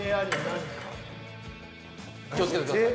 気を付けてください。